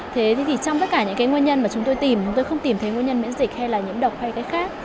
thế thì trong tất cả những nguyên nhân mà chúng tôi tìm tôi không tìm thấy nguyên nhân miễn dịch hay là nhiễm độc hay cái khác